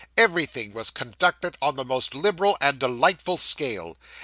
Everything was conducted on the most liberal and delightful scale.